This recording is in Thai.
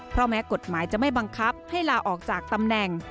เพราะแม้กฎหมายจะไม่บังคับให้ลาออกจากตำแหน่ง